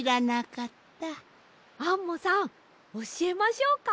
アンモさんおしえましょうか？